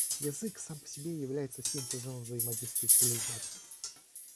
Язык, сам по себе, является синтезом взаимодействия цивилизаций.